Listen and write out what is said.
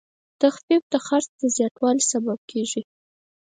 تخفیف د خرڅ زیاتوالی سبب کېږي.